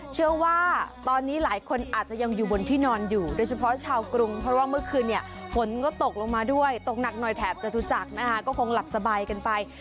เชื่อว่าตอนนี้หลายคนอาจจะยังอยู่บนที่นอนอยู่โดยเฉพาะชาวกรุงเพราะว่าเมื่อคืนเนี่ยฝนก็ตกลงมาด้วยตกหนักหน่อยแถบจตุจักรนะคะก็คงหลับสบายกันไป